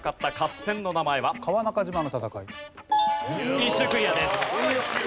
１周クリアです。